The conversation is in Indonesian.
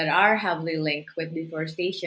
yang terkait dengan deforestasi